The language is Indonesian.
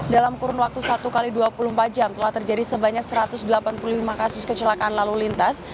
dalam kurun waktu satu x dua puluh empat jam telah terjadi sebanyak satu ratus delapan puluh lima kasus kecelakaan lalu lintas